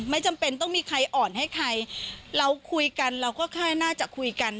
จำเป็นต้องมีใครอ่อนให้ใครเราคุยกันเราก็แค่น่าจะคุยกัน